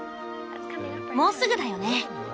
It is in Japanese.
もうすぐだよね！